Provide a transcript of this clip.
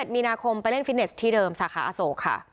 ๓๑มีนาคมไปเล่นฟิตเนสที่เดิมสาขาอโส